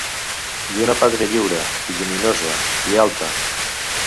I una pàtria lliure, i lluminosa, i alta.